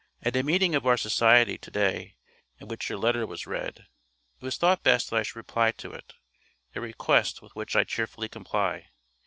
At a meeting of our Society, to day, at which your letter was read, it was thought best that I should reply to it, a request with which I cheerfully comply.